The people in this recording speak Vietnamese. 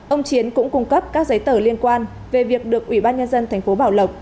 ông chiến cũng cung cấp các giấy tờ liên quan về việc được ủy ban nhân dân thành phố bảo lộc